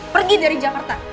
pergi dari jakarta